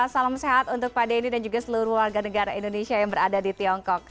salam sehat untuk pak denny dan juga seluruh warga negara indonesia yang berada di tiongkok